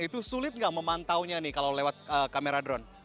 itu sulit nggak memantaunya nih kalau lewat kamera drone